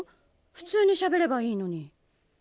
ふつうにしゃべればいいのに。